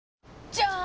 じゃーん！